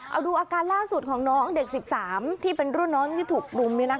เอาดูอาการล่าสุดของน้องเด็ก๑๓ที่เป็นรุ่นน้องที่ถูกรุม